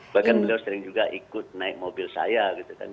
bahkan beliau sering juga ikut naik mobil saya gitu kan